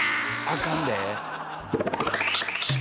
あかんで。